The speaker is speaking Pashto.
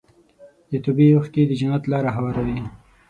د توبې اوښکې د جنت لاره هواروي.